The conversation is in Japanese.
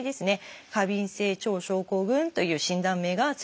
「過敏性腸症候群」という診断名が付いていきます。